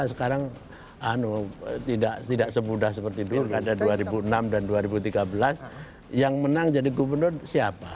sekarang tidak semudah seperti pilkada dua ribu enam dan dua ribu tiga belas yang menang jadi gubernur siapa